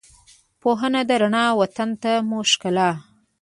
پوهنه ده رڼا، وطن ته مو ښکلا